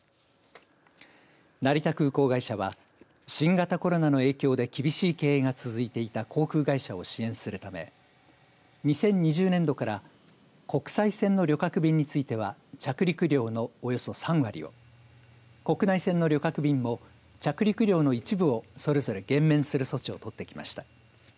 成田空港会社は新型コロナの影響で厳しい経営が続いていた航空会社を支援するため２０２０年度から国際線の旅客便については着陸料のおよそ３割を国内線の旅客便も着陸料の一部をそれぞれ減免する措置を取ってきました。